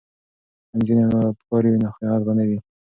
که نجونې امانتکارې وي نو خیانت به نه وي.